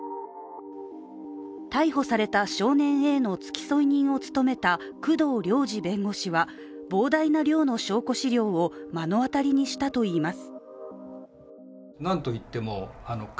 逮捕された少年Ａの付添人を務めた工藤涼二弁護士は膨大な量の証拠資料を目の当たりにしたといいます。